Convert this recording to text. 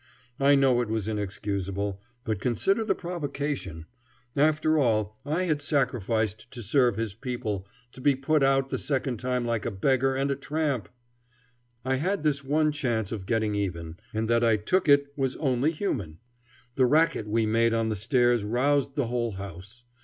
I know it was inexcusable, but consider the provocation; after all I had sacrificed to serve his people, to be put out the second time like a beggar and a tramp! I had this one chance of getting even, and that I took it was only human. The racket we made on the stairs roused the whole house.